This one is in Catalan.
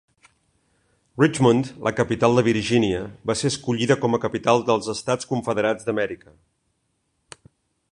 Richmond, la capital de Virgínia, va ser escollida com a capital dels Estats Confederats d'Amèrica.